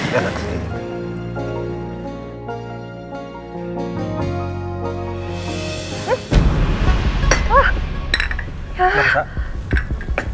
ya enak sih